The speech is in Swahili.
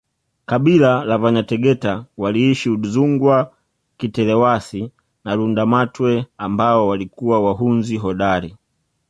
kabila la Vanyategeta waliishi udzungwa kitelewasi na Lundamatwe ambao walikuwa wahunzi hodari